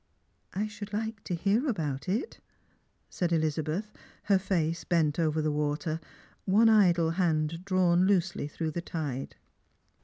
" I should like to hear about it," said Elizabeth, her face bent over the water, one idle hand drawn loosely through the tide.